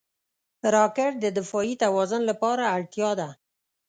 راکټ د دفاعي توازن لپاره اړتیا ده